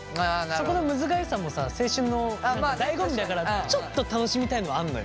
そこのむずがゆさも青春のだいご味だからちょっと楽しみたいのはあんのよ。